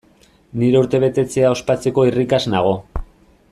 Nire urtebetetzea ospatzeko irrikaz nago!